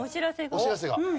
お知らせが。